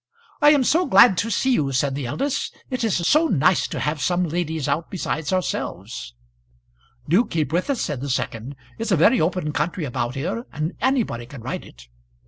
"I am so glad to see you," said the eldest; "it is so nice to have some ladies out besides ourselves." "Do keep up with us," said the second. "It's a very open country about here, and anybody can ride it."